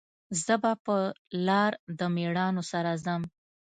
زه به په لار د میړانو سره ځم